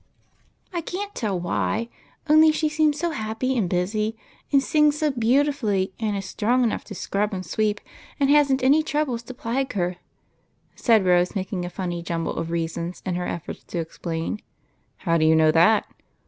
I can't tell why, only she seems so happy and busy, and sings so beauti fully, and is strong enough to scrub and sweep, and has n't any troubles to plague her," said Rose, making a funny jumble of reasons in her efforts to explain. " How do you know that